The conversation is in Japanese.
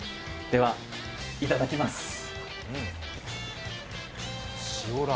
では、いただきます。